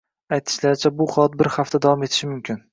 Aytishlaricha, bu holat bir hafta davom etishi mumkin.